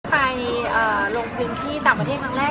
ไปลงเพลงที่ต่างประเทศครั้งแรก